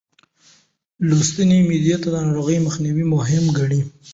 لوستې میندې د ناروغۍ مخنیوی مهم ګڼي.